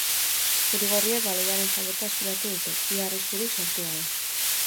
Zuri-gorriek baloiaren jabetza eskuratu dute, ia arriskurik sortu gabe.